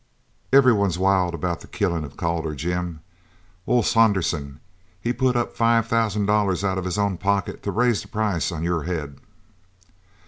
Everyone's wild about the killin' of Calder. Jim, ol' Saunderson, he's put up five thousand out of his own pocket to raise the price on your head!"